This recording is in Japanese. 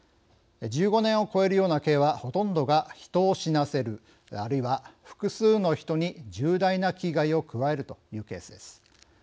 １５年を超えるような刑はほとんどが、人を死なせるあるいは、複数の人に重大な危害を加えるというケースです。